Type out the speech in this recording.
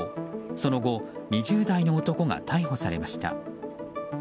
その後、２０代の男が逮捕されました。